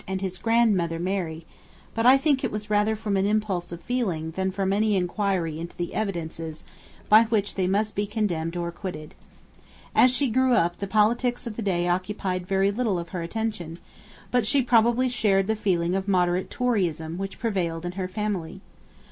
and his grandmother Mary; but I think it was rather from an impulse of feeling than from any enquiry into the evidences by which they must be condemned or acquitted. As she grew up, the politics of the day occupied very little of her attention, but she probably shared the feeling of moderate Toryism which prevailed in her family.